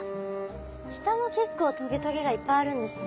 下も結構トゲトゲがいっぱいあるんですね。